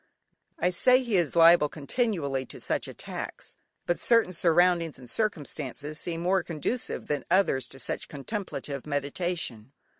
I say he is liable continually to such attacks, but certain surroundings, and circumstances seem more conducive than others to such contemplative meditation.